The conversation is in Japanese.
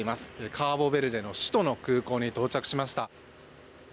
カーボベルデの首都の空港に到着しました。